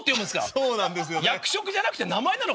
そうなんですよね。